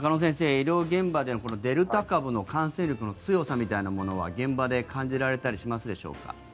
医療現場でデルタ株の感染力の強さみたいなものは現場で感じられたりしますでしょうか？